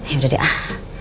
ya udah deh